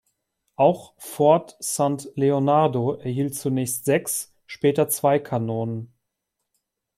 Auch Fort St Leonardo erhielt zunächst sechs, später zwei Kanonen.